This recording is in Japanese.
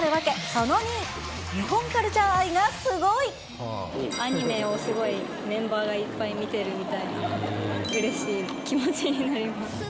その２、アニメをすごい、メンバーがいっぱい見てるみたいなので、うれしい気持ちになります。